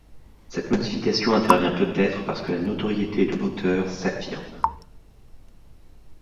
Cette modification intervient peut-être parce que la notoriété de l’auteur s’affirme.